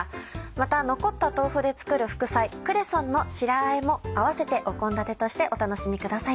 また残った豆腐で作る副菜「クレソンの白あえ」も合わせて献立としてお楽しみください。